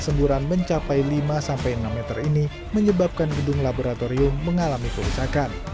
semburan mencapai lima sampai enam meter ini menyebabkan gedung laboratorium mengalami kerusakan